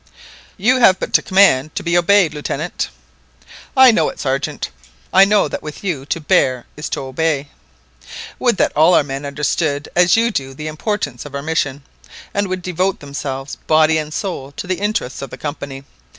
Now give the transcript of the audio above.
"You have but to command to be obeyed, Lieutenant." "I know it, Sergeant; I know that with you to bear is to obey. Would that all our men understood as you do the importance of our mission, and would devote themselves body and soul to the interests of the Company!